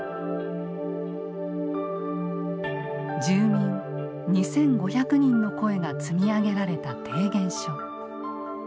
住民２，５００人の声が積み上げられた提言書。